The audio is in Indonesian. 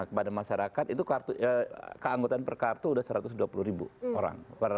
kepada masyarakat itu keanggotaan per kartu sudah satu ratus dua puluh ribu orang